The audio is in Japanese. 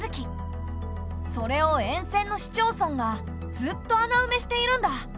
それを沿線の市町村がずっと穴うめしているんだ。